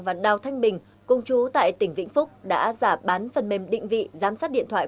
và đào thanh bình công chú tại tỉnh vĩnh phúc đã giả bán phần mềm định vị giám sát điện thoại